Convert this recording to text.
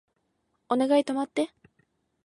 お願い止まって